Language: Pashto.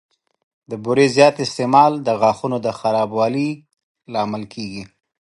د بوري زیات استعمال د غاښونو د خرابوالي لامل کېږي.